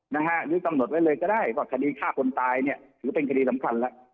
หรือกำหนดไว้เลยก็ได้ว่าคดีฆ่าคนตายเนี่ยถือเป็นคดีสำคัญแล้ว